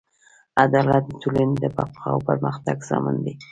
عدالت د ټولنې د بقا او پرمختګ ضامن دی.